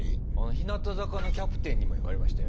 日向坂のキャプテンにも言われましたよ